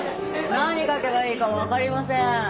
何書けばいいか分かりません。